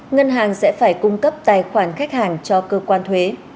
ngân hàng sẽ phải cung cấp tài khoản khách hàng cho cơ quan thuế